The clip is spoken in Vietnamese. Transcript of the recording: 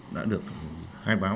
đã được khai báo